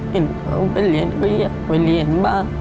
เห็นเขาไปเรียนก็อยากไปเรียนบ้าง